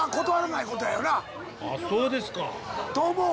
あっそうですか。と思う。